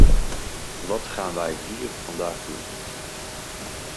Wat gaan wij hier vandaag doen?